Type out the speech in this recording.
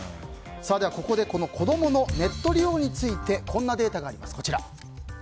ここで子供のネット利用についてこんなデータがあります。